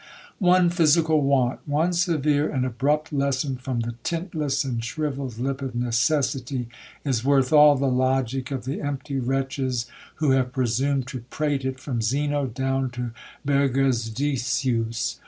One physical want, one severe and abrupt lesson from the tintless and shrivelled lip of necessity, is worth all the logic of the empty wretches who have presumed to prate it, from Zeno down to Burgersdicius.